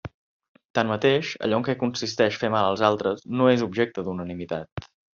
Tanmateix, allò en què consisteix fer mal als altres no és objecte d'unanimitat.